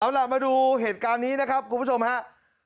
เอาล่ะมาดูเหตุการณ์นี้นะครับคุณผู้ชมครับ